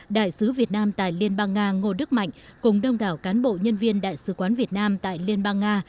đại sứ việt nam tại liên bang nga ngô đức mạnh cùng đông đảo cán bộ nhân viên đại sứ quán việt nam tại liên bang nga